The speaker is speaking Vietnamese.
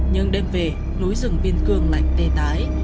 nhưng đêm về núi rừng biên cường lạnh tê tái